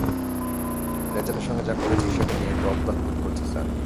রেচেলের সঙ্গে যা করেছি সেটা নিয়ে একটু অপরাধ বোধ করছি, স্যার।